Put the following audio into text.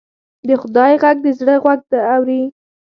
د خدای غږ د زړه غوږ اوري